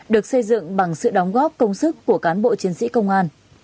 được xây dựng bằng sự đóng góp công sức của cán bộ chiến sĩ công an